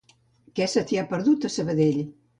Què se t'hi ha perdut a Sabadell?